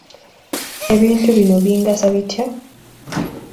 Ebintu bino bingasa bitya?